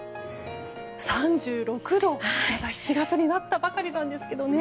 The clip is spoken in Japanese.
３６度、７月になったばかりなんですけどね。